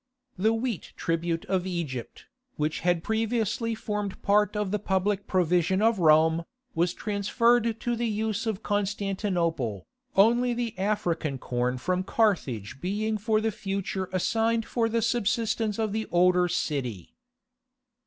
The wheat tribute of Egypt, which had previously formed part of the public provision of Rome, was transferred to the use of Constantinople, only the African corn from Carthage being for the future assigned for the subsistence of the older city.